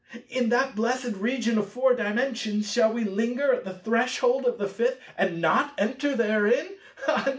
In that blessed region of Four Dimensions, shall we linger at the threshold of the Fifth, and not enter therein?